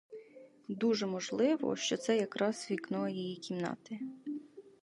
Дуже можливо, що це якраз вікно її кімнати.